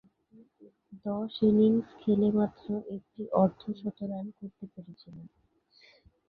দশ ইনিংস খেলে মাত্র একটি অর্ধ-শতরান করতে পেরেছিলেন।